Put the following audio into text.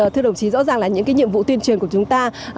thưa đồng chí rõ ràng là những nhiệm vụ tuyên truyền của chúng ta